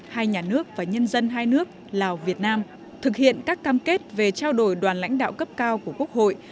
hai nhà nước và nhân dân hai nước lào việt nam thực hiện các cam kết về trao đổi đoàn lãnh đạo cấp cao của quốc hội